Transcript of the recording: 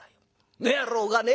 あの野郎がね